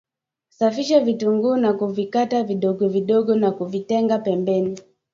Safisha vitunguu na kuvikata vidogo vidogo na kuvitenga pembeni